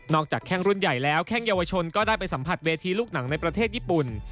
แข้งรุ่นใหญ่แล้วแข้งเยาวชนก็ได้ไปสัมผัสเวทีลูกหนังในประเทศญี่ปุ่น